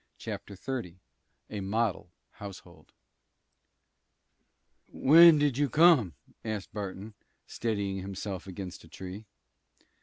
CHAPTER XXX A MODEL HOUSEHOLD "When did you come?" asked Barton, steadying himself against a tree.